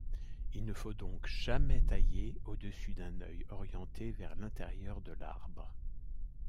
Il ne faut donc jamais tailler au-dessus d'un œil orienté vers l'intérieur de l'arbre.